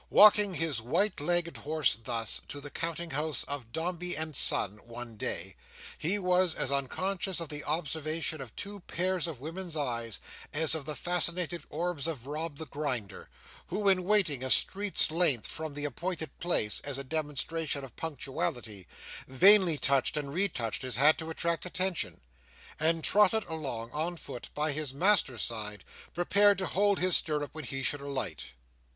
Walking his white legged horse thus, to the counting house of Dombey and Son one day, he was as unconscious of the observation of two pairs of women's eyes, as of the fascinated orbs of Rob the Grinder, who, in waiting a street's length from the appointed place, as a demonstration of punctuality, vainly touched and retouched his hat to attract attention, and trotted along on foot, by his master's side, prepared to hold his stirrup when he should alight.